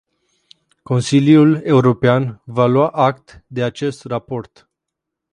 Consiliul european va lua act de acest raport.